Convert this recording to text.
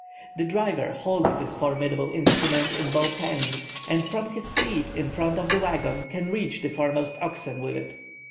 The driver holds this formidable instrument in both hands, and from his seat in front of the waggon can reach the foremost oxen with it.